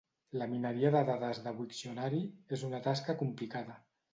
La mineria de dades de Wiktionary és una tasca complicada.